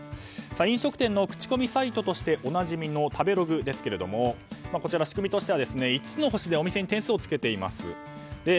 飲食店の口コミサイトとしておなじみの食べログですが仕組みとしては５つの星でお店に点数をつけています。